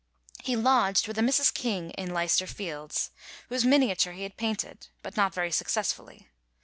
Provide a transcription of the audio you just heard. He lodged with a Mrs. King in Leicester Fields, whose miniature he had painted, but not very successfully.